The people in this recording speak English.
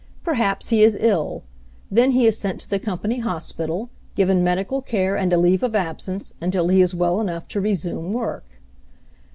Perhaps he is ill. Then he is sent to the com pany hospital, given medical care and a leave of absence until he is well enough to resume work.